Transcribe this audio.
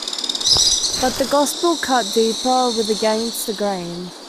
But the gospel cut deeper with "Against the Grain".